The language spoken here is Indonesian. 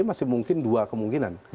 masih mungkin dua kemungkinan